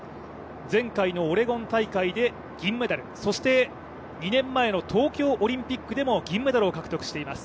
前回のオレゴン大会で銀メダル、そして、２年前の東京オリンピックでも銀メダルを獲得しています。